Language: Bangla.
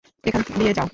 এখান দিয়ে যাও।